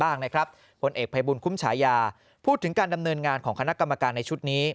ผลเอกภัยบุญคุ้มฉายาพูดถึงการดำเนินงานของคณะกรรมการในชุดนี้